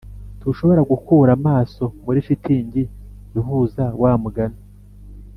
ntushobora gukura amaraso muri shitingi ihuza wa mugani